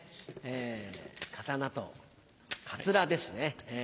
刀とカツラですね。